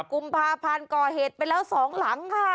กุมภาพันธ์ก่อเหตุไปแล้ว๒หลังค่ะ